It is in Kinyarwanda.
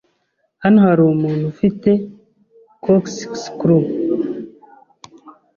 Hano hari umuntu ufite corkscrew?